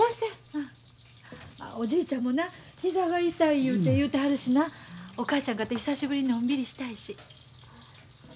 おじいちゃんもな膝が痛いいうて言うてはるしなお母ちゃんかて久しぶりにのんびりしたいし。